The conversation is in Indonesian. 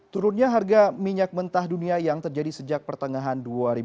turunnya harga minyak mentah dunia yang terjadi sejak pertengahan dua ribu dua puluh